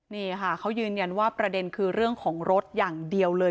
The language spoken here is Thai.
นี่ค่ะเขายืนยันว่าประเด็นคือเรื่องของรถอย่างเดียวเลย